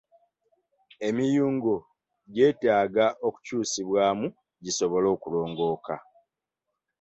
Emiyungo gyetaaga okukyusibwamu gisobole okulongooka.